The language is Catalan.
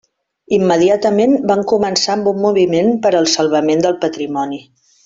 Immediatament van començar amb un moviment per al salvament del patrimoni.